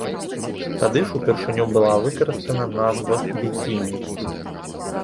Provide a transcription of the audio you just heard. Тады ж упершыню была выкарыстана назва бікіні.